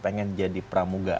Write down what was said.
pengen jadi pramugara